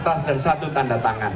atas dan satu tanda tangan